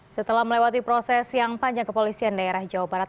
setelah melewati proses yang panjang kepolisian daerah jawa barat